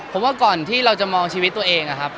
ผมว่าก่อนที่เราจะมองชีวิตตัวเองนะครับ